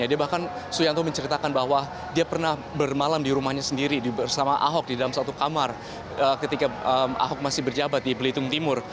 dia bahkan suyanto menceritakan bahwa dia pernah bermalam di rumahnya sendiri bersama ahok di dalam satu kamar ketika ahok masih berjabat di belitung timur